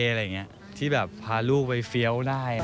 อะไรอย่างนี้ที่แบบพาลูกไปเฟี้ยวได้